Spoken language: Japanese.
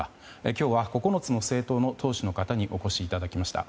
今日は９つの政党の党首の方にお越しいただきました。